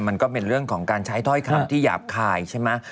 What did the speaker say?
มันก็เป็นเรื่องของการใช้ถ้อยคำที่หยาบคายใช่ไหม